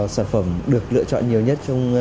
sản phẩm được lựa chọn nhiều nhất trong